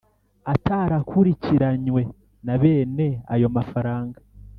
atarakurikiranwe na bene ayo mafaranga.